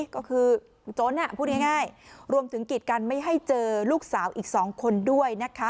ก็คือจนพูดง่ายรวมถึงกิจกันไม่ให้เจอลูกสาวอีก๒คนด้วยนะคะ